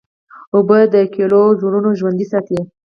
اوبه د کلیو زړونه ژوندی ساتي.